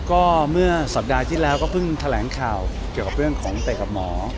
ก็เมื่อสัปดาห์ที่แล้วก็เพิ่งแถลงข่าวเกี่ยวกับเรื่องของเตะกับหมอ